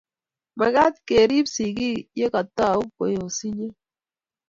mekat kerib sigik ya kaitou ko yosinyo